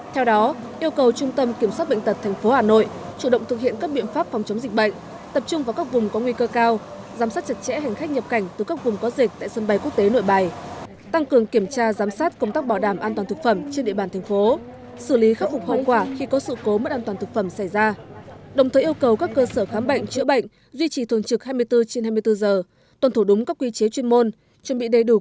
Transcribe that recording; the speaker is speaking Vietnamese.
theo đó yêu cầu trung tâm kiểm soát bệnh tật thành phố hà nội chủ động thực hiện các biện pháp phòng chống dịch bệnh tập trung vào các vùng có nguy cơ cao giám sát chặt chẽ hành khách nhập cảnh từ các vùng có dịch tại sân bay quốc tế nội bài tăng cường kiểm tra giám sát công tác bảo đảm an toàn thực phẩm trên địa bàn thành phố xử lý khắc phục hậu quả khi có sự cố mất an toàn thực phẩm xảy ra đồng thời yêu cầu các cơ sở khám bệnh chữa bệnh duy trì thường trực hai mươi bốn trên hai mươi bốn giờ tuần thủ đúng các quy chế chuyên môn chuẩn bị đầy đủ